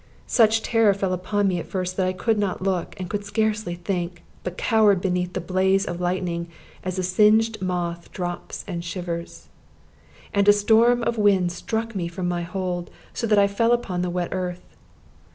Such terror fell upon me at first that I could not look, and could scarcely think, but cowered beneath the blaze of lightning as a singed moth drops and shivers. And a storm of wind struck me from my hold, so that I fell upon the wet earth.